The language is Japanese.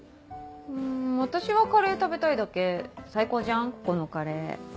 うん私はカレー食べたいだけ最高じゃんここのカレー。